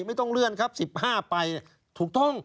ไม่ต้องเลื่อนครับ๑๕ไปถูกต้อง